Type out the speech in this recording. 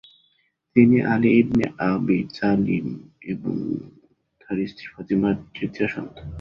তিনি Ali ibn Abi Talib এবং তার স্ত্রী ফাতিমার তৃতীয় সন্তান।